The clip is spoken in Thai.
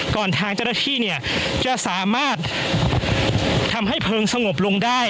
ก่อนทางเจรฐธีเนี่ยจะสามารถทำให้เพลิงสงบลงได้